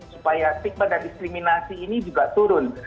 supaya stigma dan diskriminasi ini juga turun